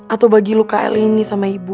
atau bagi luka l ini sama ibu